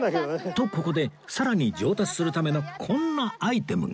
とここでさらに上達するためのこんなアイテムが！